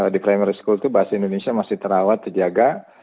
di primary school itu bahasa indonesia masih terawat terjaga